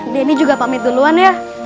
denny juga pamit duluan ya